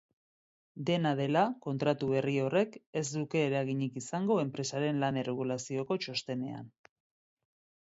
Dena dela, kontratu berri horrek ez luke eraginik izango enpresaren lan-erregulazioko txostenean.